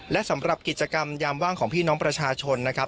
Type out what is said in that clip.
และสำหรับกิจกรรมยามว่างของพี่น้องประชาชนนะครับ